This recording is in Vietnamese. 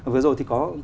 vừa rồi thì có